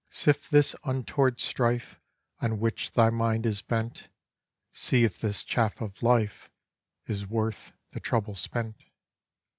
Sift this untoward strife On which thy mind is bent, See if this chaff of life Is worth the trouble spent.